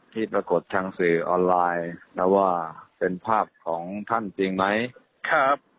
ที่ปรากฏทางสื่อออนไลน์นะว่าเป็นภาพของท่านจริงไหมครับ